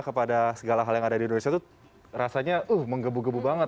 kepada segala hal yang ada di indonesia tuh rasanya menggebu gebu banget